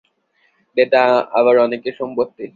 Data আবার অনেকের সম্পত্তি।